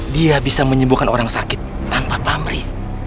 dia bisa menyembuhkan orang sakit tanpa pamrih